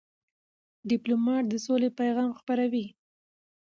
ډيپلومات د سولې پیغام خپروي.